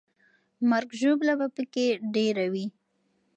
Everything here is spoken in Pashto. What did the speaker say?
مرګ او ژوبله به پکې ډېره وي.